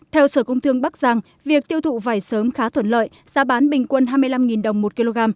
theo sở công thương bắc giang việc tiêu thụ vải sớm khá thuận lợi giá bán bình quân hai mươi năm đồng một kg